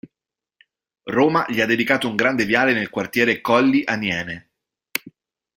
Roma gli ha dedicato un grande viale nel quartiere Colli Aniene.